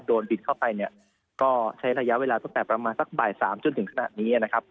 บินเข้าไปเนี่ยก็ใช้ระยะเวลาตั้งแต่ประมาณสักบ่ายสามจนถึงขนาดนี้นะครับ